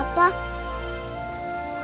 makanya udah cuintanya